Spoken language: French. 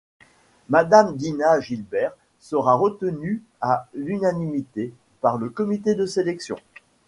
Madame Dina Gilbert sera retenue à l'unanimité par le comité de sélection.